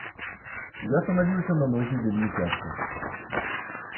Я станавіўся на ногі вельмі цяжка.